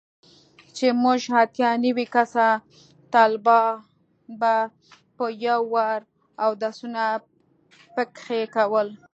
چې موږ اتيا نوي کسه طلباو به په يو وار اودسونه پکښې کول.